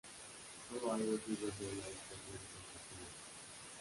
Sólo hay dos libros de ella disponibles en castellano.